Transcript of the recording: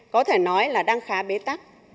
có thể nói là đang khá bế tắc